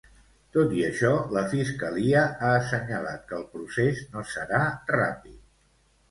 Tot i això, la Fiscalia ha assenyalat que el procés no serà ràpid.